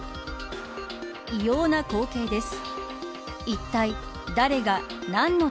異様な光景です。